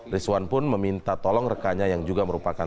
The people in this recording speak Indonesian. rizwan pun meminta tolong rekannya yang juga merupakan